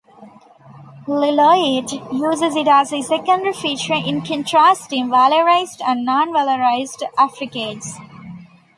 Lillooet uses it as a secondary feature in contrasting velarized and non-velarized affricates.